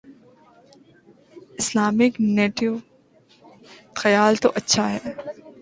Islamic NATO: خیال تو اچھا ہے۔